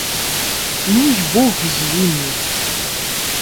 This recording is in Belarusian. Ну і бог з імі.